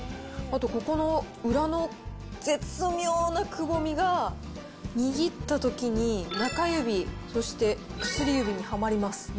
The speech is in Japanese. あとここの裏の絶妙なくぼみが、握ったときに、中指、そして薬指にはまります。